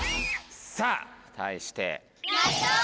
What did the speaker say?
さあ対して。